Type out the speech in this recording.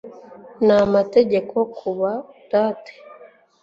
n amategeko Kubadate